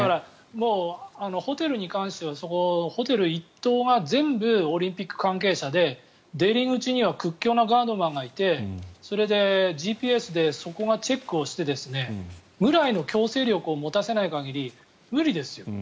ホテルに関してはホテル一帯が全部オリンピック関係者で出入り口には屈強なガードマンがいてそれでＧＰＳでそこがチェックをしてぐらいの強制力を持たせない限り無理ですよ。